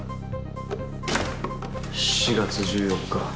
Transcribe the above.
４月１４日。